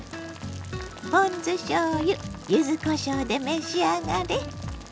ポン酢しょうゆ柚子こしょうで召し上がれ。